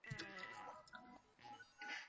交易不会留下任何证据。